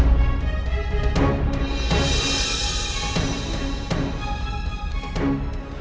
tidak ada apa apa